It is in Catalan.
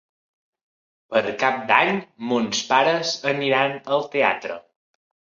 Per Cap d'Any mons pares aniran al teatre.